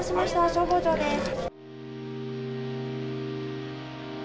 消防庁です。